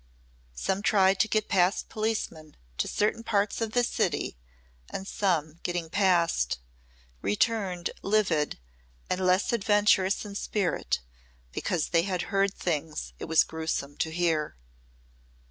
Some tried to get past policemen to certain parts of the city and some, getting past, returned livid and less adventurous in spirit because they had heard things it was gruesome to hear.